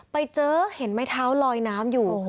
ไปเจอเห็นไม้เท้าลอยน้ำอยู่